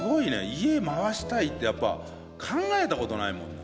家回したいってやっぱ考えたことないもんな。